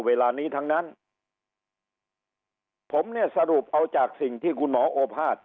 เวลานี้ทั้งนั้นผมเนี่ยสรุปเอาจากสิ่งที่คุณหมอโอภาษย์